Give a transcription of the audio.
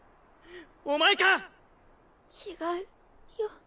お前か⁉違うよ。